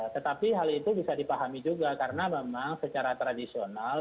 tetapi hal itu bisa dipahami juga karena memang secara tradisional